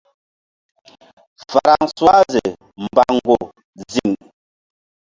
Francoise mbango ziŋ.